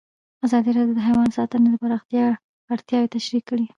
ازادي راډیو د حیوان ساتنه د پراختیا اړتیاوې تشریح کړي.